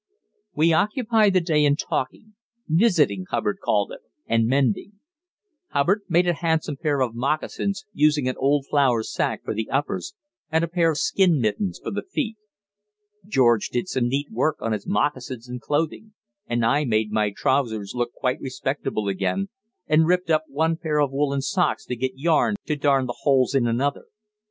We occupied the day in talking visiting, Hubbard called it and mending. Hubbard made a handsome pair of moccasins, using an old flour sack for the uppers and a pair of skin mittens for the feet. George did some neat work on his moccasins and clothing, and I made my trousers look quite respectable again, and ripped up one pair of woollen socks to get yarn to darn the holes in another.